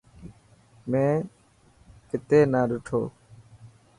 مين ڪتي نا ڏنو.